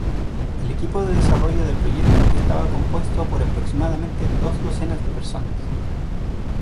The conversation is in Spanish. El equipo de desarrollo del proyecto estaba compuesto por aproximadamente dos docenas de personas.